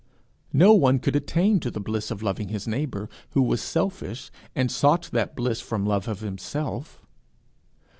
No one could attain to the bliss of loving his neighbour who was selfish and sought that bliss from love of himself.